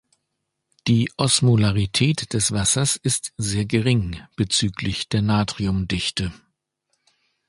Die Osmolarität des Wassers ist sehr gering bezüglich der Natrium-Dichte.